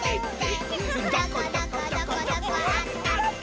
「どこどこどこどこあったった」